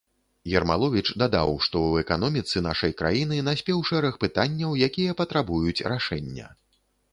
Ермаловіч дадаў, што ў эканоміцы нашай краіны наспеў шэраг пытанняў, якія патрабуюць рашэння.